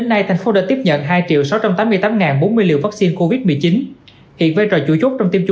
tại khâu này địa phương sẽ phát giấy đồng ý tiêm chủng tại nhà